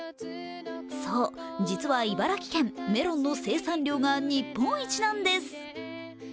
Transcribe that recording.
そう、実は茨城県、メロンの生産量が日本一なんです。